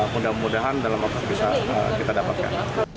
mudah mudahan dalam waktu bisa kita dapatkan